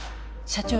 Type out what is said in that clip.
社長。